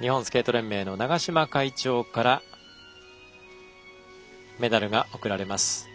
日本スケート連盟の長島会長からメダルが贈られます。